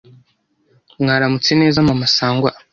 “Mwaramutse neza Mama Sangwa.